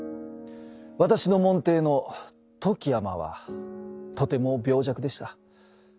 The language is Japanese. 私の門弟の富木尼はとても病弱でした。